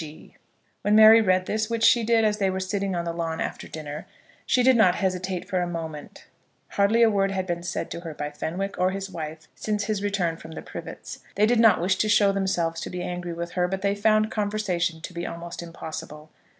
G. When Mary read this, which she did as they were sitting on the lawn after dinner, she did not hesitate for a moment. Hardly a word had been said to her by Fenwick, or his wife, since his return from the Privets. They did not wish to show themselves to be angry with her, but they found conversation to be almost impossible.